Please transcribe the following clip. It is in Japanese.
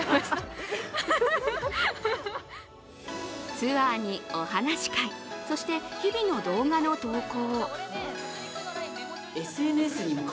ツアーに、お話会、そして日々の動画の投稿。